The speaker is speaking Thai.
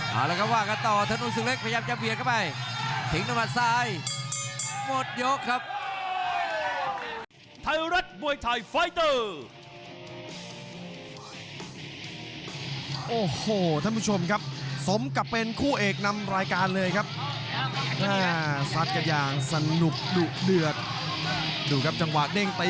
หากับว่ากระต่อสีเล็กพยายามจะเบียดเข้าไป